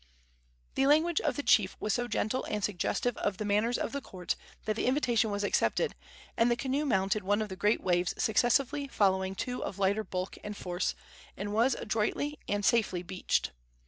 The language of the chief was so gentle and suggestive of the manners of the court that the invitation was accepted, and the canoe mounted one of the great waves successively following two of lighter bulk and force, and was adroitly and safely beached.